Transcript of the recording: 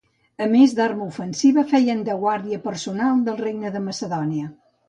A més d'arma ofensiva, feien de guàrdia personal del Regne de Macedònia.